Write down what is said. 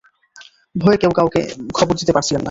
ভয়ে কেউ কাউকে খবর দিতে পারছিলেন না।